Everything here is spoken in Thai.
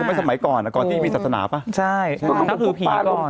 อีกอีกกับจีน